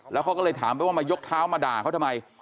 แล้วเขาก็เลยถามไปว่ามายกเท้ามาด่าเขาทำไม